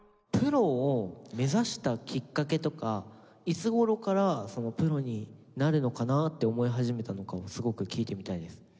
プロを目指したきっかけとかいつ頃からプロになるのかなって思い始めたのかをすごく聞いてみたいです。